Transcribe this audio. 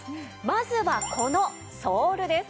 まずはこのソールです。